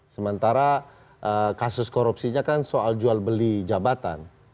sementara kasus korupsinya kan soal jual beli jabatan